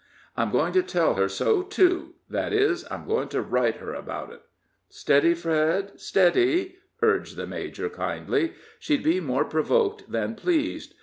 "I'm going to tell her so, too that is, I'm going to write her about it." "Steady, Fred steady!" urged the major, kindly. "She'd be more provoked than pleased.